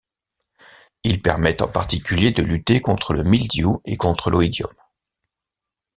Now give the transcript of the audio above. Ils permettent en particulier de lutter contre le mildiou et contre l'oïdium.